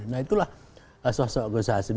jadi itu adalah sosok gus hasim